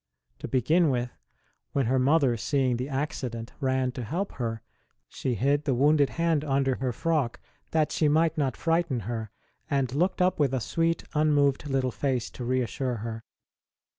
To begin with, when her mother, seeing the accident, ran to help her, she hid the wounded hand under her frock that she might not frighten her, and looked up with a sweet, unmoved little face to reassure her.